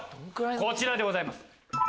こちらでございます。